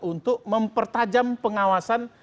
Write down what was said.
untuk mempertajam pengawasan